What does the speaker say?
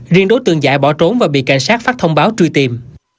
riêng đối tượng giải bỏ trốn và bị cảnh sát phát thông báo truy tìm